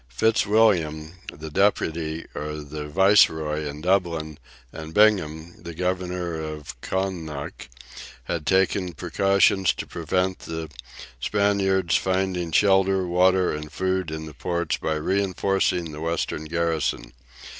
Fitzwilliam, the "Deputy" or the Viceroy, in Dublin, and Bingham, the Governor of Connaught, had taken precautions to prevent the Spaniards finding shelter, water, and food in the ports by reinforcing the western garrisons.